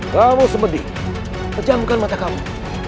kamu sepedi pejamkan mata kamu